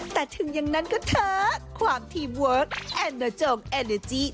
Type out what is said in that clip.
แต่ถึงอย่างนั้นก็เถอะความทีมเวิร์กแอนโนโจร์แอนเจอร์จี้